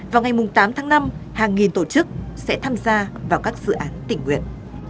vào ngày tám tháng năm hàng nghìn tổ chức sẽ tham gia vào các dự án tỉnh nguyện